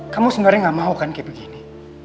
kamu sebenarnya gak mau kan kayak begini